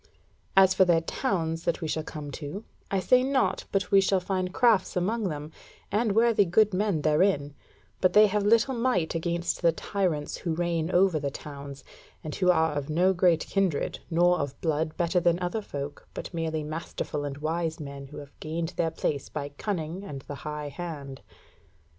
As for their towns that we shall come to, I say not but we shall find crafts amongst them, and worthy good men therein, but they have little might against the tyrants who reign over the towns, and who are of no great kindred, nor of blood better than other folk, but merely masterful and wise men who have gained their place by cunning and the high hand.